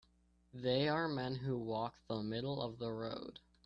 They are men who walk the middle of the road.